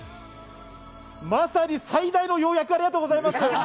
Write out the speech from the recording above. まさに最大の要約をありがとうございました。